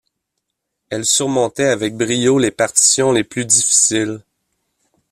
Elle surmontait avec brio les partitions les plus difficiles.